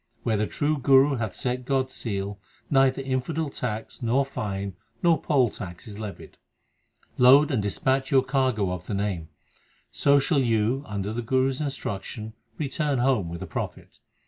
Where the true Guru hath set God s seal Neither infidel tax, nor fine, nor poll tax is levied. Load and dispatch your cargo of the Name, So shall you, under the Guru s instruction, return home with a profit.